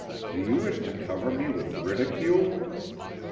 Do you wish to cover me with ridicule?"